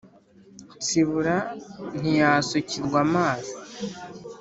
Ntsibura ntiyasukirwa amazi